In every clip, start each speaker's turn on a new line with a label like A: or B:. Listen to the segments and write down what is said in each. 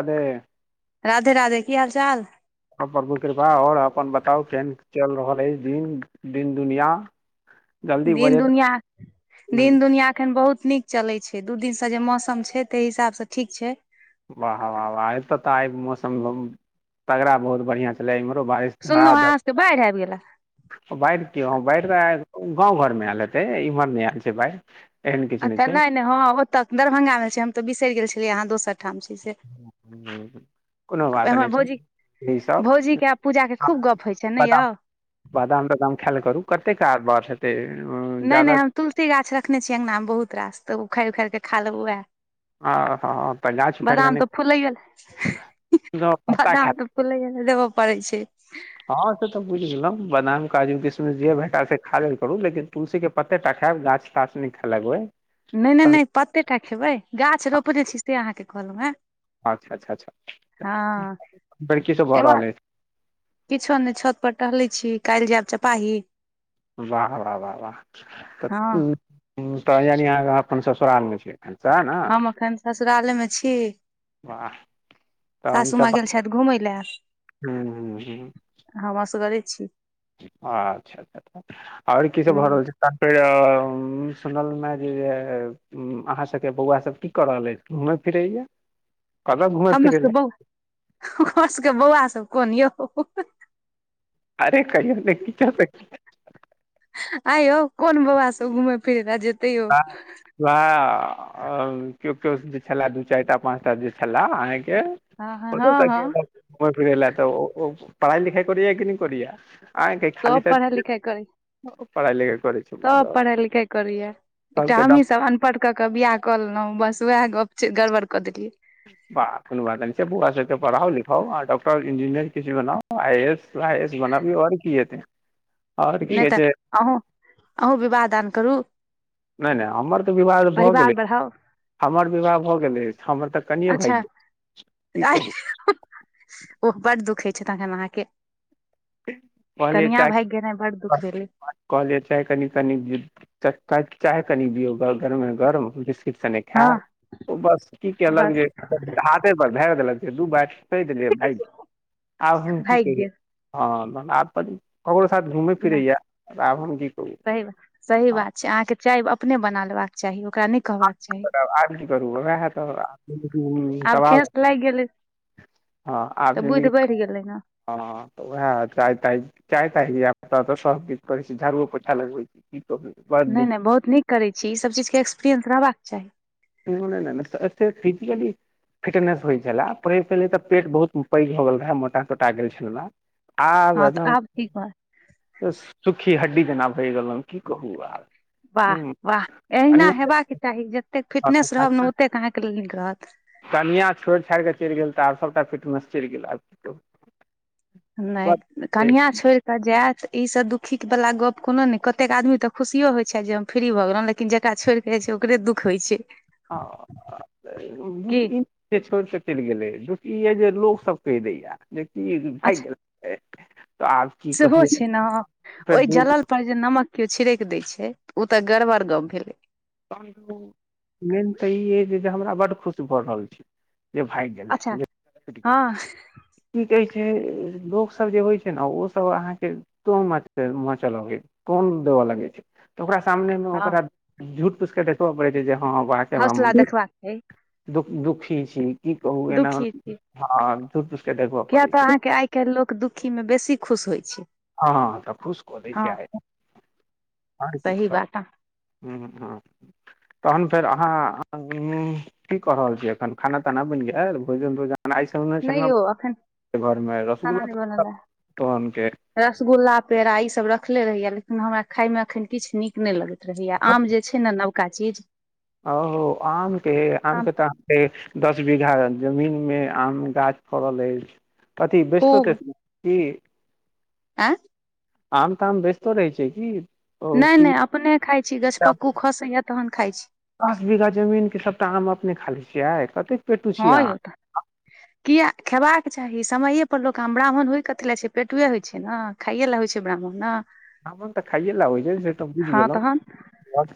A: अबे
B: राधे राधे की हाल चाल
A: सब प्रभु कृपा आओर अपन बताउ केहन चलि रहल अई दिन दिन दुनिया जल्दी
B: दिन
A: बजैत
B: दुनिया
A: रहू
B: दिन दुनिया एखन बहुत नीक चलै छै दू दिनसँ जे मौसम छै ताहि हिसाबसँ ठीक छै
A: वाह वाह वाह एतऽ तऽ आइ मौसम तगड़ा बहुत बढ़िआं छलै इम्हर बारिश धरा
B: सुनलहुँ
A: धर
B: अहाँ सभके बाढ़ि आबि गेला
A: बाढ़ कि बाढ़ि आबि गाँव घरमे आयलहेतै इम्हर नहि आएल छै बाढ़ि एहन किछु नहि
B: अच्छा
A: छै
B: नई नई हम ओतय दरभंगामे छीअई हम तऽ बिसरि गेल छलियै अहाँ दोसर ओइठाम छी से
A: हूँ, कोनो बात
B: एम्हर
A: नहि छै
B: भौजी
A: ई सब
B: भौजीके आ पूजाके खूब गप होइ छैन नई यौ
A: बादा तऽ काम खायल करू करते क ब
B: नई नई हम तुलसी गाछ रखने छीयै अङ्गनामे बहुत रास तऽ उखाड़ि उखड़ि कऽ खा लेबू उएह
A: हँ हँ तऽ गाछ उखाड़ि कऽ
B: बादाम
A: नहि
B: तऽ फुलै गेल
A: पत्ता खाय
B: बादाम तऽ फुलै देबऽ पड़ै छै
A: हँ से तऽ बुझि गेलहुँ बादाम काजू किसमिश जे भेटा से खा लेल ल करू लेकिन तुलसी के पत्तेटा खायब गाछ ताछ नई खाय लागब
B: नई नई नई पत्तेटा खेबै गाछ रोपने छी से अहाँके कहलहुँ हे
A: अच्छा अच्छा अच्छा तन कीसभ भऽ
B: एमहर
A: रहल अछि
B: किछो नहि छत पर टहलै छी काल्हि जायब चपाही
A: वाह वाह वाह
B: हँ
A: वाहऽ तऽ यानिहाँ अपन ससुरालमे छै सेने
B: हम एखन ससुराले मे छी
A: वाह
B: सासू
A: त ह
B: माँ गेल छथि घुमय लए
A: ह ह [unintelligible]
B: हम असगरे छी
A: अच्छा अच्छा ओर की सब
B: हूँ
A: भऽ रहल छै त फेर सुनल मे जे अहाँ सबके बौआ सब की क रहल अछि घूमै फिरैया कतऽ घुमै
B: हमर
A: फिरै
B: सबके
A: लए
B: बौआ हमर सबके बौआसब कोन यौ
A: अरे कहियौ ने किछो तऽ
B: आय यौ कोन बौआ सब घुमे फिरे ले जे
A: व वाह अ केओ केओ जे छ दू चारिटा पांच टा जे छलाह आंहे
B: हँ हँ हँ हँ
A: घुम फिरै लए तऽओ पढ़ाई लिखाई करिया कि नहि करिया आके खाली
B: सब
A: त
B: पढ़ाइ लिखाइ करै
A: पढ़ाई लिखाई करै छी
B: सब
A: [unintelligible]
B: पढ़ाइ लिखाइ करैया एकटा हमही सब अनपढ़ क कऽ के बियाह कऽ लेलहु बस उएह गप छै गड़बड़ कऽ देलियै
A: डॉक्टर कोनो बात नहि छै बौआ सबके पढ़ाउ लिखाउ आ इंजीनियर किसी बनाउ आइ एस आइ आ एस बनबीऔ ओर की हैतै
B: नहि तऽ अहूँ अहूँ विवाह दान करू
A: नहि नहि हमर तऽ विवाद भऽ
B: परिवार
A: गेलै
B: बढ़ाउ
A: हमर बिवाह भऽ गेलै हमर तऽ कनिए भाग गेलय
B: ओ बड़ दुखे छे तखन आहाॅं के कनिया भाग गेल बड दुःख भेलै
A: कॉलेज कनि कनी चक [unintelligible] चाय कनी दियौगा गरमे गरम बि ठीकसँ नहि
B: हँ
A: खेयब ओ बस की कलक
B: बस
A: जे हाथे पर ढार देलक जे दू बाट द आ की
B: भागि
A: कह
B: गेल
A: हँ [unintelligible] साथ घूमेै
B: नहि
A: फिरैया आब हम की कहू
B: सही बात सही
A: हँ
B: बात छै अहाँके चाय अपने बना लेबाक चाही ओकरा नहि कहबाक चाही
A: आ की करूएह एत
B: आब ठेस लागि गेलै
A: हाँ आब
B: तऽ
A: जिन्दगी
B: बुद्धि बढ़ि गेलै ने
A: हँ तऽ उएह चाय ताय चाय ता तऽ सब गीत करै छै झाड़ुओ पोछा लगबै छै की कह
B: नहि नहि बहुत नीक करैत छी ईसब चीजके एक्सपीरियएंस रहबाक चाही
A: फिजिकली फिटनेस होइत छलए पहिले पहिले तऽ पेट बहुत पैघ भ गेल रहए मोटा तोटा गेल छलहु आब
B: हँ तऽ आब ठीक ह
A: एदम सुखी हड्डी जेना भहि गेलउ की कहू आब
B: वाह
A: ह
B: वाह अहिना हेबाक के चाही जतेक फिट
A: कनिया छोड़ छार क चल गेल त आब सबटा फटनेस चल गेला
B: नहि कनिआ छोड़ि कऽ जायत इ सब दुखी वाला गप कोनो ने कते आदमी ते खुशियो होय छै जे हम फ्री भए गेलों लेकिन जेकरा छोड़ केय छै तऽ ओकरे दुःख होइ छै
A: आ
B: की
A: छोड़ क चलि गेलै दुख ई है जे लोक सब कहि दैया जेकि भाग
B: अच्छा
A: गेल तऽ आब की
B: सेहो
A: कहियौ
B: छै ने
A: फेर
B: ओहि
A: दू
B: जलल पर जे नमक केओ छिड़क दै छै ओ तऽ गड़बड़ गप भेलै
A: त मेन तऽ ई अछि जे जे हमरा बड्ड खुश भऽ रहल छै जे भाग गेलै
B: अच्छा हँ
A: [unintelligible] लोक सब जे होइ छै ने ओ सब अहाँ के कोन मचले कोन लगै छै तऽ ओकरा सामने मे
B: हँ
A: ओकरा झूठ पूस के देखबऽ पड़ै छै जे हँ वाहके
B: हौसला देखबाक छै
A: [unintelligible] दुखी छी की कहू एना
B: दुखी छी
A: हाँ
B: किया तऽ अहाँके आइ काल्हि लोक दुखी मे बेसी खुश होइ छै
A: हँ तऽ खुश कऽ दै छिय
B: हँ
A: आइ आर कीक
B: सही
A: सब
B: बात
A: हां तहन फेर अहाँ ह्म्म की क रहल छीियै अखन खाना ताना बनि गेलय भोजन तोजन त आय सुनने
B: नहि यौ अखन
A: छिनह घर मे
B: खाना नहि बनल
A: रसगुल्लाह
B: है
A: तुअनते
B: रसगुल्ला पेड़ा इ सब रखले रहहिया लेकिन हमरा खाय मे अखन किछ निक न लगे या रहैया आम जे छै ने नवका चीज
A: ओ आमके
B: आम
A: आमके तऽहाँके दस बीघा जमीन मे आम गाछ फड़ल अछि अथी बेचतो त
B: खूब
A: ई
B: आँ
A: आम तऽम बेचतो रहै छै की ओ
B: नहि
A: की
B: नहि अपने खाइत छी गछपक्कू खसैए तखन खाइत छी
A: दस बीघा जमीनके सभटा आम अपने खाली छियै आ कतेक पेटू छियै
B: हँ
A: अहाँ
B: यौ तऽ किया खेबाक चाही समये पर लोक आब ब्राह्मण होइ कथी ले छै पेटुए होइ छै ने खाइए लए होइ छै ब्राह्मण न
A: राहमन तऽ खाए लबै छै से तऽ बुझ
B: हँ
A: गेलहु
B: तहन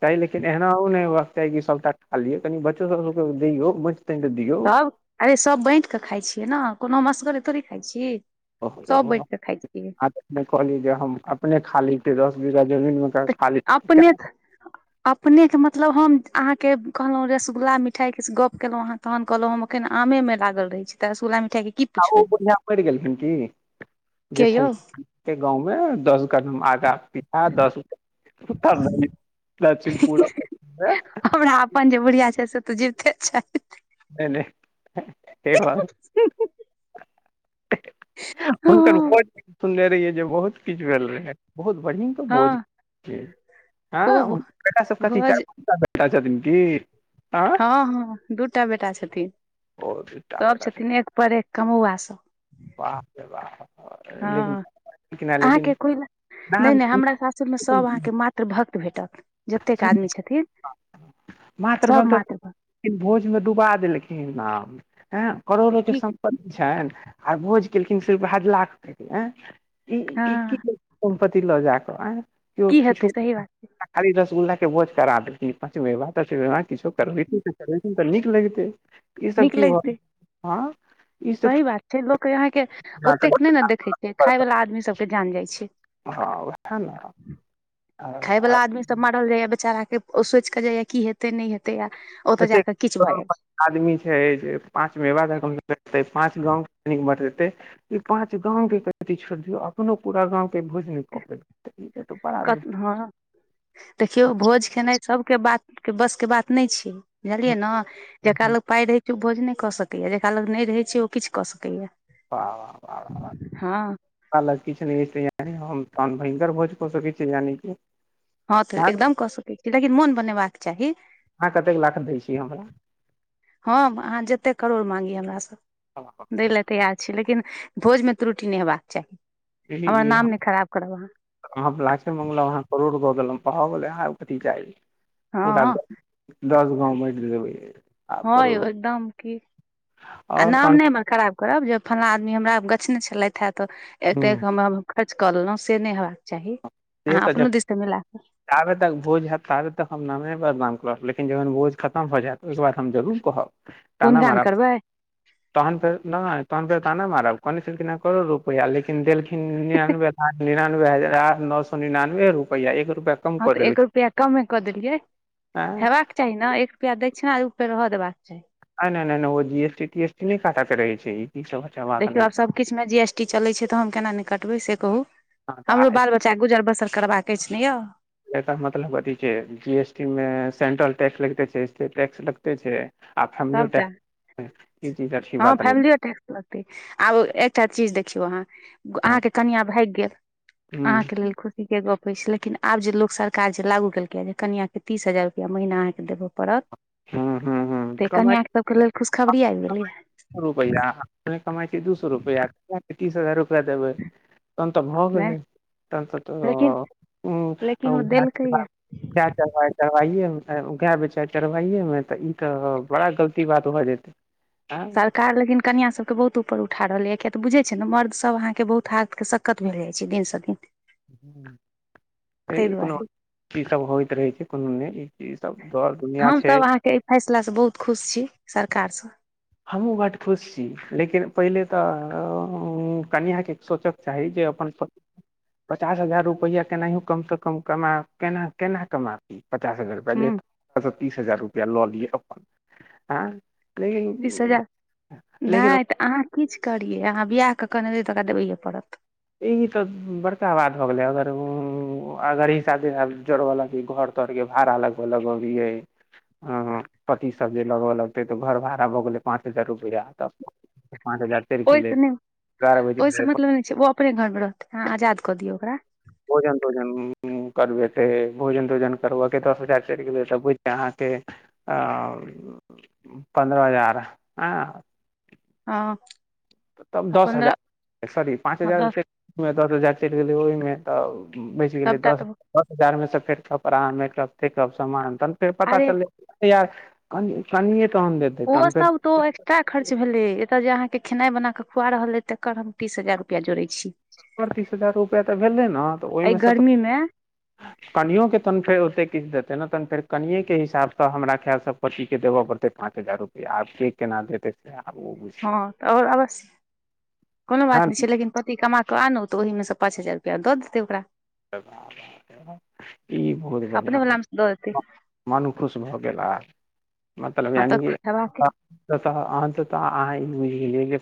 A: क लेकिन एहना नहि ह होयबाक चाही सबटा खठा लियै कनि बच्चो सब सब दैयो
B: तब अरे सभ बाँटि कऽ खाइ छियै ने कोनो मसगर तोड़े खाइ छी सब बाँटि कऽ खाइ छियै
A: कहली जे हम अपने खा लै ते दस बीघा जमीन मे
B: तऽ
A: खा लै छियै
B: अपने अपनेके मतलब हम आन्हा के कहलहुं रसगु्ला मिठाई के गप केलों तहन कहलं अ एखन आमे मे लागल रहे छै त रसुल्ला मि
A: आ ओ बढ़आ मड़ि गेलखिन कि जे
B: के यौ
A: छलखिन गाँव में दस ग आधा पीठा दस ग प्राचन पूरा
B: हमरा अपन जे बुढ़िया छै [inaudible]
A: नहि नहि ते अर हुनक ब सुननेे रहियै जे बहुत पजल रहेै बहुत बहींगर बोझ
B: हँ
A: आँ
B: खूब
A: काका सभ कथी चार
B: भोज
A: बेटा छथिन की आँ
B: दूटा ती
A: ओ दूटा
B: सभ
A: बेटा
B: छथिन एक पर एक कमौआ सब
A: वाह रे लेकिन
B: हँ
A: लेकिन
B: अहाँके कोला नय
A: नाम
B: नय हमरा सासुरमे सभ अहाँके मात्र भक्त भेटत जतेक आदमी छथिन सब
A: मात्रभक्त
B: मात्र भक्त
A: भोजमे डुबा देलखिन ह आँ
B: तऽ
A: करोड़ोके
B: की
A: सम्पतति छनि आ भोज केलखिन सिर्फ हध लाख तके आ ई ई की
B: हँ
A: सम्पतति लऽ जााकऽ आ
B: की हतै सही बात छै
A: रसगुल्ला के भोज करा देेलथिन पंचमेवा तछमेवा किछो करबेन करेन तऽ नीक लगते ई सब
B: नीक
A: की भ
B: लगितै
A: हँ ई सब
B: सही बात छै लोक यहाँके ओतेक नहि ने देखै छै खाय वला आदमी सबके जान जाइत छै
A: हँ ओह ने
B: खाय वला आदमी सब मारल जाइया बेचारा के ओ सोचि कऽ जाइया की हेते नहि हे त या ओतऽ
A: एते
B: जााकऽ किछु भ
A: करोड़
B: जाय
A: पाँच आदमी पाँच मेवा पाँच गाँव ई पाँच गांव के छोड़ दियऔ अपनो पूरा गां के भोज न क प
B: कत हँ देखियौ भोज खेनाइ सभके बात बस के बात नहि छै बुझलियै ने जेकरा लोकोग पाइ रहैत छै ओ भोज नहि कऽ सकैया जेकरा लोक नहि रहैत छै ओ किछु कऽ सकैया
A: वावा वाह किछु नहि ऐ तेयारी हम कम भयकर भोज क सकै छै यानि कि
B: हँ तऽ
A: अहाँ
B: एकदम कऽ सकैत छी लेकिन मोन बनेबाक चाही
A: कतेक लाख दै छी हमरा
B: हँ अहाँ जते करोड़ मागि हमरा सॅ दै लेल तैयार छि लेकिन भोजमे त्रुटि नहि हेबाक चाही
A: ई
B: हमर
A: ई
B: नाम नहि खराब करब
A: हम लास्ट मंगलौ अहाँ करेड़ भ गेलहू भ गेलै आब कथी चाही
B: अहाँ
A: पूरा
B: हँ
A: दस गाँंव बाइट देबै आ
B: हँ यौ
A: करोड़
B: एकदम की आ
A: आओर
B: नाम
A: तहन
B: नै हम खराब करब जे फल्ला आदमी हमरा गछ ने छलथि हे तऽ एकटा
A: हुँ
B: एक हम खर्च कऽ लेलहुँ से नहि हेबाक चाही
A: से
B: अहाँ
A: त तखनी
B: अपनो दिससँ मिला कऽ
A: जाबे तक भोज हैत ताबे तक हम नाम नय बदना करब लेकिन जखन बोझ खतम भऽ जायत ओहिके बाद हम जरूर कहब ताना
B: गुणगान
A: मारब
B: करबै
A: तहन नय तहन त ताना मारब कहने छलखिन करोड़ रुपैआ लेकिन देलखिन नरानबे लाख नरानबे हजार आठ नो निनानबे रुपैया एक
B: हँ तऽ एक
A: देलखिन
B: रुपैया कमे कऽ देलियै
A: आँय
B: हेबाक चाही न एक रुपैआ दछिना फेर रह देबाक चाही
A: नहि नहि नहि नहि ओ G S T T S T नहि काटअ क रहै छै ई सब अच्छा बात
B: देखियौ
A: नहि
B: आब सभ किछ मे जी एस टी चलै छै त हम केना नइ कटबै से कहू
A: हँ
B: हमरो
A: तऽ
B: बाल बच्चाके गुजर बसर करबाक अछि ने यौ
A: एकर मतलब अथी छै जी एस टी मे सेंट्रल टैक्स लगते छै स्टेट टैक्स लगते छै आब फेमलियो
B: सभटा
A: टेक्स देबै
B: हँ फैमिलिओ टैक्स लगतै आब एकटा चीज देखियौ अहाँ
A: हँ
B: अहाँके कनियाँ भाइग गेल
A: हूँ
B: अहाँके लेल खुशीे गप हो छै लेकिन आब जे लोक सरकार जे लागू केलकै जे कनियाँके तीस हजार रुपैया महीना अहाँके देबै पड़त
A: हूँ हूँ हूँ
B: तै
A: कमाइ
B: कनिय सबके ओय क लेल खुशखबरी आबि गेलै
A: कोन रुपैया हम अपने कमाइ छी दू सै रुपैया कनिया के तीस हजार रुपैया देबै तहन त भाव
B: नहि
A: गेलै तहन त
B: लेकिन लेकिन
A: हू
B: ओ
A: गेय
B: देलकैये
A: बिकल चरबहिये म गाय बेचाय चरबहिये म त ई तऽ बड़ा गलती बात भऽ जेतै आँ
B: सरकार लेकिन कनिआँ सबके बहुत ऊपर उठा रहलैय य किया तऽ बुझैत छै ने मर्दसभ अहाँके बहुत हार्थके सक्कत भए जाइ छै दिनसँ दिन ताहि
A: कोनो
B: दुआरे
A: ची सब होइत रहै छै कोनो नहि
B: हमसभ अहाँके एहि फैसलासँ बहुत खुश छी सरकारसँ
A: हमहूँ बड खुश छी लेकिन पहिले तऽ कनिआँके सोचक चाही जे पहिलेअपन पचास हजार रुपैआ केनाहि यो कमसँ कम कमा केना केना कमा पचास हजार
B: हूँ
A: रुपआ तीस हजार रुपआ लऽ लि अपन आ
B: तीस हजार नहि तऽ अहाँ किछु करियै अहाँ बिआहके अनलियै त ओकरा देबैयए पड़त
A: ई तऽ बड़का बात हो गेलै अगर अगर हिसाब दिसाब जोड़ब लक कि घर तर के भाड़ा लगब लगबियै अ पति सब जे लगबय लगतै तऽ घर भाड़ा भऽ गेलै पाँच हजार रुपैया तब पाँच हजार तेरी गेलै
B: ओहिसँ
A: बारह बजे
B: ओकरे घर म रहै न आजाद कऽ दियौ ओकरा
A: करबेत भोजन तोजन करबऽके दस हजार चलि गेलै तऽ बुझै अहाँके पन्द्रह हजार हँ
B: हँ
A: तब
B: आ
A: दस
B: पन्द्रह
A: हजार सॉरी पाँच
B: हँ
A: हजारि
B: दस
A: दस हजार चलि गेलै ओहिमे त बचि गेलै
B: सभटा
A: दस
B: तऽ
A: दस हजार मे सँ फेर कपड़ा मेकप तेकब सामान त फेर पता चल य अरे यार कन कनिये तहन देतै तहन फेर
B: ओसभ तऽ ओ एक्स्ट्रा खर्च भेलै एतऽ जे अहाँके खेनाय बना क के खुआ रहल हे तर हम तीस हजार रुपआ जोड़े
A: तेकर तीस हजार रुपैया तऽ भेलै ने तऽ
B: एहि
A: ओहिमे सँ
B: गर्मी मे
A: तऽ कनियो के तन फेर होते किस दे तेना तहन फेर कनिये के हिसाब सँ हमरा खैल सँ पत्ती के देबऽ पड़तै पाँच हजार रुपैआ आब के केना देतै सेए
B: हाँ और अवश्य कोनो बात नहि छै लेकिन पति कमा आनू तऽ ओहि में सँ पाँच हजार रुपआ दऽ देतै ओकरा
A: ई बहुत
B: अपने
A: बढ़िआँ
B: वला मे सँ दऽ देतै
A: बत मन खुश भऽ गेला मतलब
B: हँ तऽ
A: यानि किऽ
B: खेबाक
A: अह त तऽ आ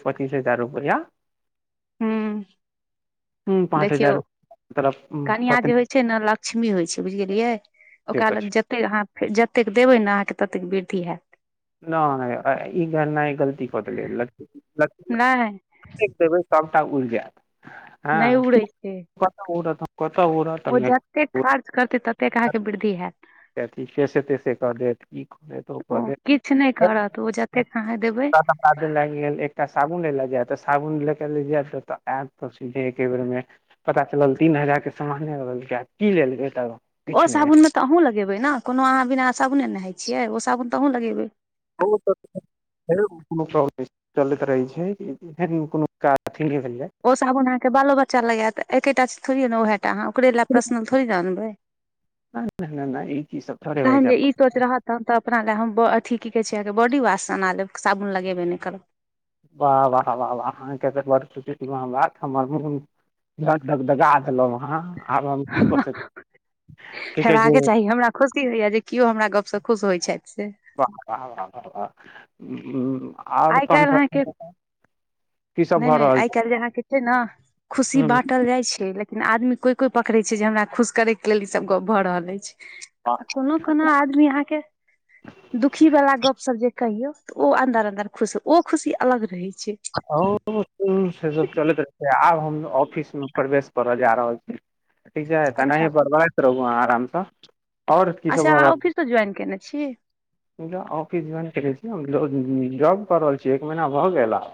A: पचीस हजार रुपैए
B: हूँ
A: ह पाँच हजार तरफ
B: कनिआँ जे
A: पत्नी
B: होइ छै ने लक्ष्मी होइ छै बुझ गेलियै ओकरा
A: दैत अछि
B: लग जतैक अहाँ जतैक देबै ने अहाँ के ततेक वृद्धि हैत
A: नहि नहि ईना गलती कऽ देलै ली
B: नहि
A: दे सबटा उल जा हँ
B: नहि उड़ै छै
A: ओ
B: ओ जतेक खर्च करतै ततेक अहाँ के वृद्धि हैत
A: किया कि केसे तैसे कह देत की किअ देत ओ कह दे
B: किछु नहि करत ओ जतेक अहाँ देबै
A: बाद लागि गेल एकटा साबुन ले ले जाय तऽ साबुन कल्ले जानिब तऽ ओत पता चलल तीन हजार के समाने हमर तऽ [unintelligible]
B: ओ
A: नहि
B: साबुन में तऽ अहूँ लगेबै ने कोनो अहाँ बिना साबुने नहाइत छियै ओ साबुन तऽ अहूँ लगेबै
A: चलैत रहै छै कोनो काज अथी नहि भेलै
B: ओ साबुन अहाके बालो बच्चा लगायत एकेटा थड़े ने उह टाहाँ ओकरे ल पर्सन थोड़ी ने अनबै
A: नहि नहि ई चीज सब थोड़े होइ
B: तहन
A: छै
B: जे ई सोच रह तन तऽ अपना लऽ हम ब अथि की कहै छै अहाँ के बॉडी वॉश अना लेब साबुन लगेबे नहि करब
A: वाह वाह वाह वाह अहाँ के तऽ बड़ खुशी छल हमरा हमर बात धक धक धगा देलहुँ अहाँ आब हम की कऽ सकै की कहै
B: हेबा के
A: छै
B: चाही हमरा खुशी होइया जे केओ हमरा गपसँ खुश होइत छथि से
A: वाहाह आओर
B: आइ काल्हि अहाँके
A: आब
B: नहि नहि आइ काल्हि जे अहाँ के छै ने खुशी
A: हुँ,
B: बाँटल जाइ छै लेकिन लेकिन आदमी कोई कोई पकड़े छै जे हमरा खुश करे के लेल ई सब गप भऽ रहल अछि आ कोनो कोनो आदमी अहाँ के दुखी वाला गप्प सब जे कहियौ तऽ ओ अंदर अंदर खुश ओ खुशी अलग रहै छै
A: ओ से सब चलैत रहै छै आब हम ऑफिस मे प्रवेश करल जा रहल छै ठीक छै तऽ एना
B: अच्छा
A: ही बड़ बड़ाइत रहूँ रहू अहाँ आराम सँ आ और की सब
B: अच्छा
A: भऽ
B: अहाँ
A: रहल
B: ऑफिससँ ज्वाइन केने छी
A: ऑफिस जॉइन करै छी ह जॉब कर रहल छीय एक महीना भऽ गेल आब